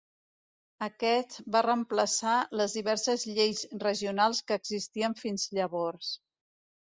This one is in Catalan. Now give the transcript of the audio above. Aquest va reemplaçar les diverses lleis regionals que existien fins llavors.